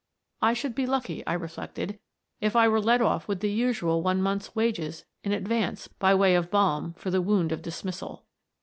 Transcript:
I should be lucky, I reflected, if I were let off with the usual one month's wages in advance by way of balm for the wound of dismissal.